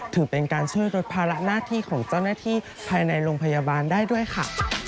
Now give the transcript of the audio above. ถือเป็นการช่วยลดภาระหน้าที่ของเจ้าหน้าที่ภายในโรงพยาบาลได้ด้วยค่ะ